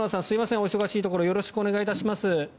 お忙しいところよろしくお願いします。